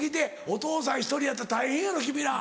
お父さん１人やったら大変やろ君ら。